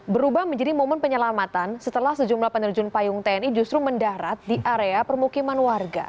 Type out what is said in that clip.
berubah menjadi momen penyelamatan setelah sejumlah penerjun payung tni justru mendarat di area permukiman warga